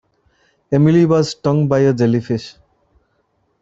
Emily was stung by a jellyfish.